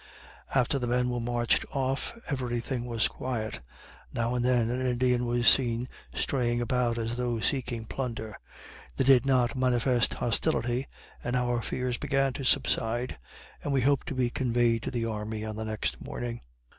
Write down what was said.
After the men were marched off every thing was quiet; now and then an Indian was seen straying about as though seeking plunder. They did not manifest hostility, and our fears began to subside, and we hoped to be conveyed to the army on the next morning.